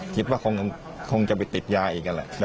คิดว่าคงจะไปติดยาอีกนั่นแหละ